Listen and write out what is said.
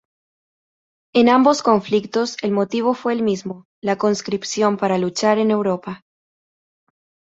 En ambos conflictos el motivo fue el mismo: la conscripción para luchar en Europa.